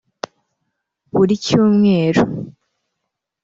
Buri cyumweru